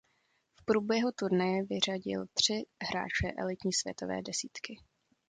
V průběhu turnaje vyřadil tři hráče elitní světové desítky.